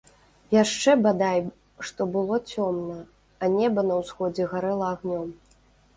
Яшчэ бадай што было цёмна, а неба на ўсходзе гарэла агнём.